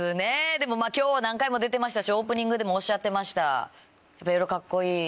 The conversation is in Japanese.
でも今日は何回も出てましたしオープニングでもおっしゃってましたやっぱ。